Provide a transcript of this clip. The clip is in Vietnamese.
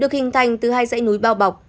được hình thành từ hai dãy núi bao bọc